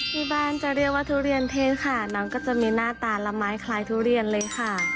ที่บ้านจะเรียกว่าทุเรียนเทศค่ะน้องก็จะมีหน้าตาละไม้คล้ายทุเรียนเลยค่ะ